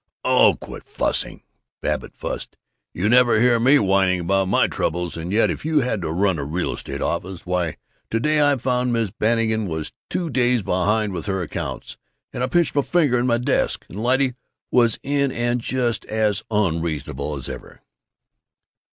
"Oh, quit fussing!" Babbitt fussed. "You never hear me whining about my Troubles, and yet if you had to run a real estate office Why, to day I found Miss Bannigan was two days behind with her accounts, and I pinched my finger in my desk, and Lyte was in and just as unreasonable as ever."